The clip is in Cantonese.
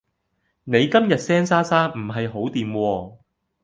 你今日聲沙沙唔係好惦喎